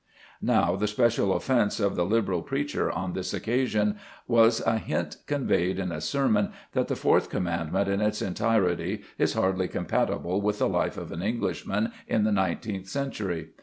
Now the special offence of the liberal preacher on this occasion was a hint conveyed in a sermon that the fourth commandment in its entirety is hardly compatible with the life of an Englishman in the nineteenth century.